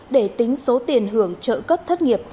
để tính số tiền hưởng trợ cấp thất nghiệp